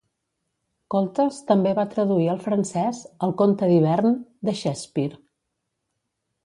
Koltes també va traduir al francès "El conte d'hivern" de Shakespeare.